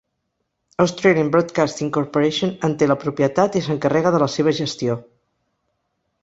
Australian Broadcasting Corporation en té la propietat i s'encarrega de la seva gestió.